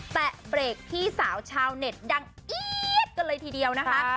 แตะเบรกพี่สาวชาวเน็ตดังเอี๊ยดกันเลยทีเดียวนะคะ